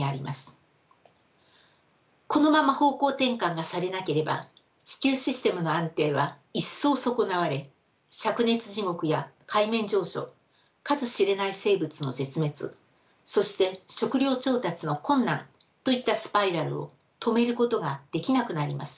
このまま方向転換がされなければ地球システムの安定は一層損なわれしゃく熱地獄や海面上昇数知れない生物の絶滅そして食料調達の困難といったスパイラルを止めることができなくなります。